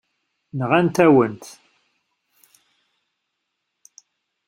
Nɣant-awen-t.